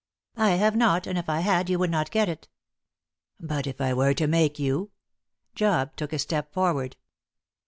"I have not; and if I had, you would not get it." "But if I were to make you!" Job took a step forward.